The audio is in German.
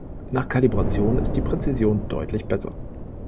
Nach Kalibration ist die Präzision deutlich besser.